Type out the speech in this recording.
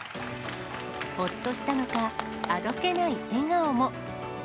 ほっとしたのか、あどけない笑顔も。